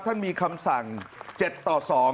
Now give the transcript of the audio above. ท่านมีคำสั่ง๗ต่อ๒